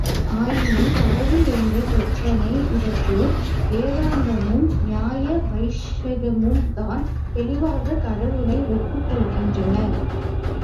ஆயினும் கடவுள் என்ற பிரச்சினை இவற்றுள் வேதாந்தமும், நியாய வைஷிகமும்தான் தெளிவாகக் கடவுளை ஒப்புக் கொள்ளுகின்றன.